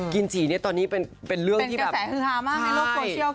กินฉี่เนี่ยตอนนี้เป็นเรื่องที่แบบเป็นกระแสฮือฮามากในโลกโตเชียล